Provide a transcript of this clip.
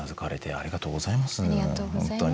ありがとうございます。